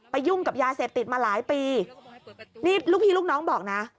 ยุ่งกับยาเสพติดมาหลายปีนี่ลูกพี่ลูกน้องบอกนะ